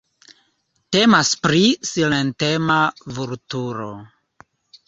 Temas pri silentema vulturo.